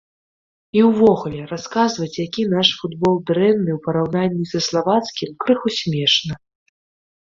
І ўвогуле, расказваць, які наш футбол дрэнны ў параўнанні са славацкім, крыху смешна.